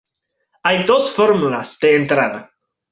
Hay dos fórmulas de entrada.